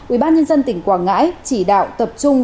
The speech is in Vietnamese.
ubnd tỉnh quảng ngãi chỉ đạo tập trung